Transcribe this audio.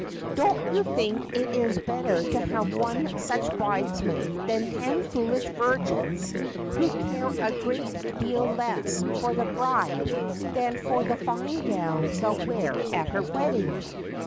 Don't you think it is better to have one such bridesmaid than ten foolish virgins who care a great de.il less for the bride than for the fine gowns they wear at her wedding